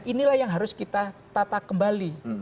inilah yang harus kita tata kembali